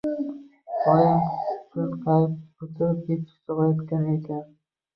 Oyim cho‘nqayib o‘tirib, echki sog‘ayotgan ekan.